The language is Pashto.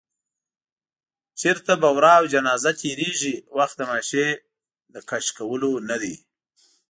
چېرته به ورا او جنازه تېرېږي، وخت د ماشې د تش کولو نه دی